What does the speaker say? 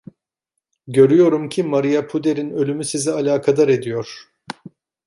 Görüyorum ki, Maria Puder'in ölümü sizi alakadar ediyor.